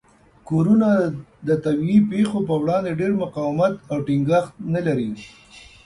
کورونه د طبیعي پیښو په وړاندې ډیر مقاومت او ټینګښت نه لري.